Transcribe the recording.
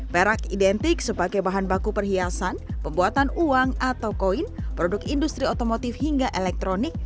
perak identik sebagai bahan baku perhiasan pembuatan uang atau koin produk industri otomotif hingga elektronik